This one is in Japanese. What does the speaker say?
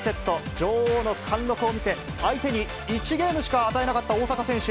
女王の貫禄を見せ、相手に１ゲームしか与えなかった大坂選手。